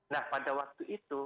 nah pada waktu itu